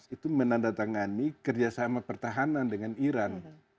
itu menandatangani kerjasama pertahanan dengan iran